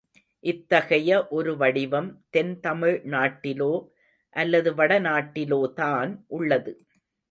இத்தகைய ஒரு வடிவம் தென் தமிழ்நாட்டிலோ, அல்லது வடநாட்டிலோதான் உள்ளது.